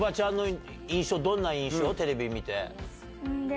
テレビ見て。